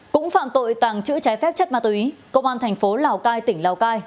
cũng phạm tội tàng trữ trái phép chất ma túy công an thành phố lào cai tỉnh lào cai